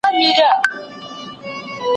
هیڅوک باید د خپلي ژبي په خاطر بې احترامي نه سي.